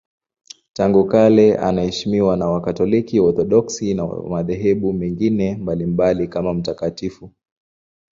Tangu kale anaheshimiwa na Wakatoliki, Waorthodoksi na madhehebu mengine mbalimbali kama mtakatifu.